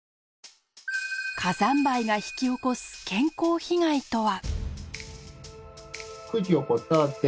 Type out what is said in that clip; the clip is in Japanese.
火山灰が引き起こす健康被害とは。